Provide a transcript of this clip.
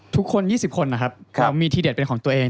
ทุกคน๒๐คนนะครับเรามีทีเด็ดเป็นของตัวเอง